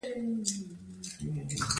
قهوه کافین لري